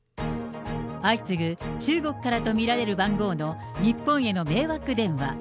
相次ぐ中国からと見られる番号の日本への迷惑電話。